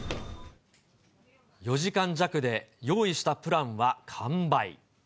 ４時間弱で、用意したプランは完売。